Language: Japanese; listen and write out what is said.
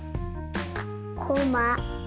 こま。